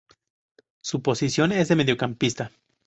Su posición es de mediocampista.